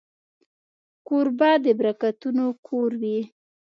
کوربه د برکتونو کور وي.